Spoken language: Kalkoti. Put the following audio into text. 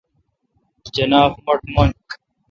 جناب-مٹھ من۔